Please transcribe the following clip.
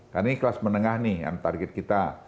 karena ini kelas menengah nih yang target kita